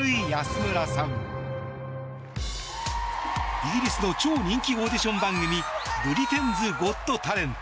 イギリスの超人気オーディション番組「ブリテンズ・ゴット・タレント」。